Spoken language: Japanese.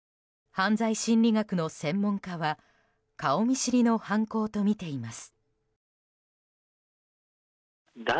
犯罪心理学の専門家は顔見知りの犯行とみています。